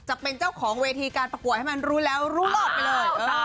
จะเป็นเจ้าของเวทีการประกวดให้มันรู้แล้วรู้รอดไปเลย